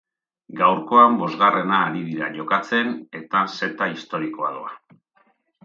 Gaurkoan bosgarrena ari dira jokatzen eta seta historikoa doa.